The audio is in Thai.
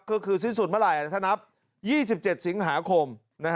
ก็คือสิ้นสุดเมื่อไหร่ถ้านับ๒๗สิงหาคม